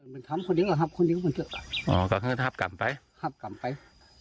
ผันคนิ๊กละครับคนิ๊กละอ่อกระขึ้นหับก่ำไปหับก่ำไป